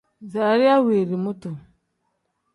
Zaliya wendii mutu.